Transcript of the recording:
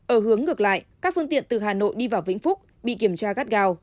ở hướng ngược lại các phương tiện từ hà nội đi vào vĩnh phúc bị kiểm tra gắt gao